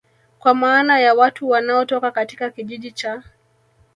kwa maana ya Watu wanaotoka katika Kijiji cha